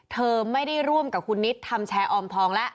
เธอไม่ได้ร่วมกับคุณนิดทำแชร์ออมทองแล้ว